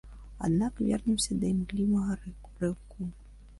Аднак вернемся да імклівага рыўку.